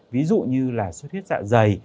ví dụ như là suất huyết dạ dày